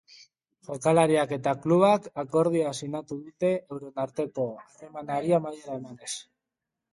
Jokalariak eta klubak akordioa sinatu dute euren arteko harremanari amaiera emanez.